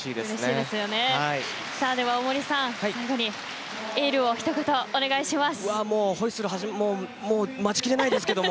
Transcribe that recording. では、大森さんエールを一言、お願いします。